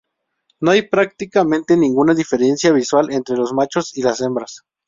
No hay prácticamente ninguna diferencia visual entre los machos y las hembras.